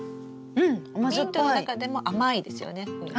ミントの中でも甘いですよね。